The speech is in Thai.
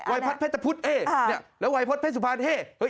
วัยพศเผ็ดตะพุดเอแล้ววัยพศเผ็ดสุพรรณเอ